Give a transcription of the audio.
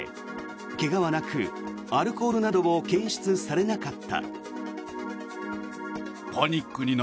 怪我はなく、アルコールなども検出されなかった。